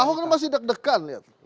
ahok ini masih deg degan lihat